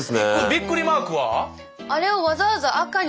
ビックリマークは？え？